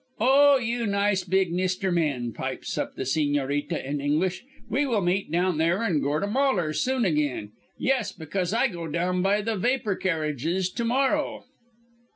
"'Oh, you nice, big Mister Men,' pipes up the Sigñorita in English, 'we will meet down there in Gortamalar soon again, yes, because I go down by the vapour carriages to morrow.'